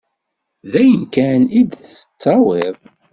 D ayen kan i d-tettawiḍ.